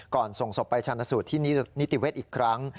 ส่งศพไปชาญสูตรที่นิติเวศอีกครั้ง